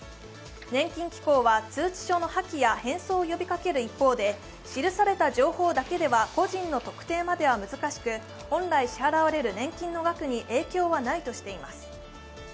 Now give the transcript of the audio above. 年金機構は通知書の破棄や返送を呼びかける一方で記された情報だけでは個人の特定までは難しく本来支払われる年金の額に影響はないとしています。